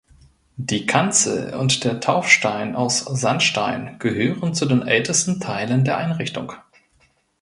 Die Kanzel und der Taufstein aus Sandstein gehören zu den ältesten Teilen der Einrichtung.